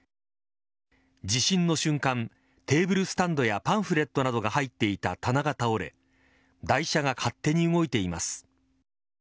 地震の瞬間テーブルスタンドやパンフレットなどが入っていた棚が倒れ台車が勝手に動いています。